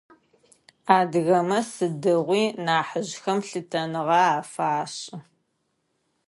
Адыгэмэ сыдигъуи нахьыжъхэм лъытэныгъэ афашӏы.